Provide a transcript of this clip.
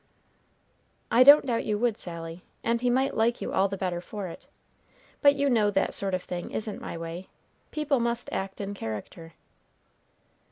"I don't doubt you would, Sally; and he might like you all the better for it. But you know that sort of thing isn't my way. People must act in character."